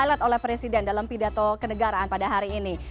saya lihat oleh presiden dalam pidato kenegaraan pada hari ini